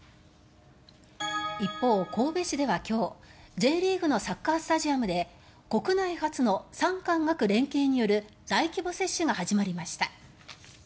一方、神戸市では今日Ｊリーグのサッカースタジアムで国内初の産官学連携による大規模接種が始まりました。